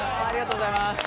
ありがとうございます。